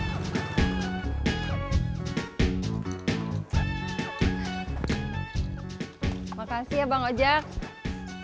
rumah pak rt soalnya minta dilengkapin bekas bekas pindahan oh gitu ya udah